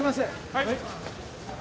・はい！